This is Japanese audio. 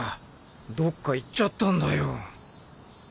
どっか行っちゃったんだよ。